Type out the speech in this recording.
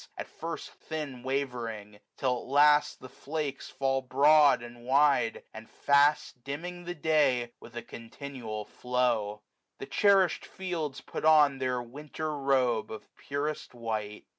At first thin wavering ; till at last the flakes 23a Fall broad, and wide, and fast, dimming the day. With a continual flow. The cherishM fields Put on their winter robe of purest white.